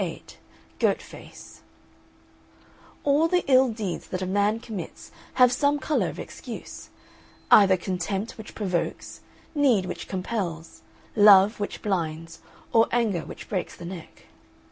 VIII GOAT FACE All the ill deeds that a man commits have some colour of excuse either contempt which provokes, need which compels, love which blinds, or anger which breaks the neck.